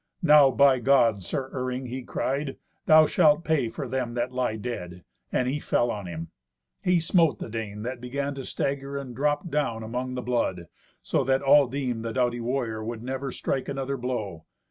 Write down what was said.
"Now by God, Sir Iring," he cried, "thou shalt pay for them that lie dead!" and he fell on him. He smote the Dane, that began to stagger, and dropped down among the blood, so that all deemed the doughty warrior would never strike another blow.